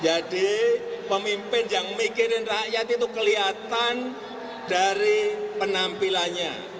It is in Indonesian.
jadi pemimpin yang mikirin rakyat itu kelihatan dari penampilannya